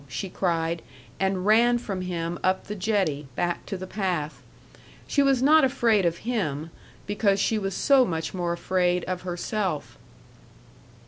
she cried, and ran from him up the jetty, back to the path.... She was not afraid of him, because she was so much more afraid of herself.